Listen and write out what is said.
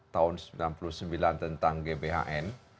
tahun seribu sembilan ratus sembilan puluh sembilan tentang gbhn